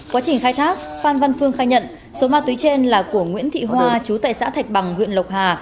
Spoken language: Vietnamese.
quá trình khai thác phan văn phương khai nhận số ma túy trên là của nguyễn thị hoa chú tại xã thạch bằng huyện lộc hà